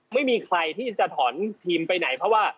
ไม่มีใครที่จะถอนทีมไปไหนเพราะว่า